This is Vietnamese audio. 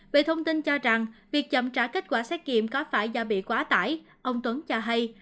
về thông tin cho rằng việc chậm trả kết quả xét nghiệm có phải do bị quá tải ông tuấn cho hay